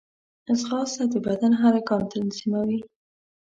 ځغاسته د بدن حرکات تنظیموي